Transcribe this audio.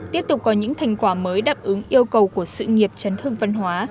tiếp tục có những thành quả mới đáp ứng yêu cầu của sự nghiệp trấn thương văn hóa